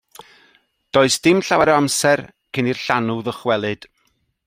Does dim llawer o amser cyn i'r llanw ddychwelyd.